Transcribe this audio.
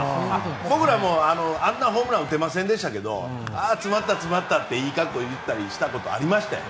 僕らもあんなホームランは打てませんでしたが詰まった詰まったっていい格好をしたこと言ったことありましたよ。